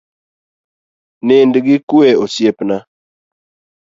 Nind gi kue osiepna